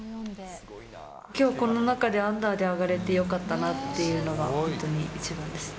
きょうこの中で、アンダーで上がれてよかったなっていうのが本当に一番です。